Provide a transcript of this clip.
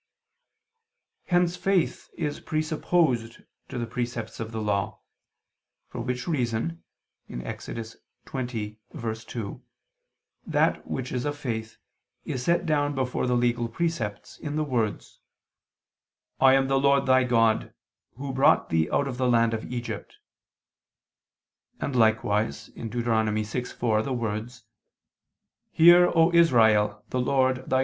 Hence faith is presupposed to the precepts of the Law: for which reason (Ex. 20:2) that which is of faith, is set down before the legal precepts, in the words, "I am the Lord thy God, Who brought thee out of the land of Egypt," and, likewise (Deut. 6:4), the words, "Hear, O Israel, the Lord thy [Vulg.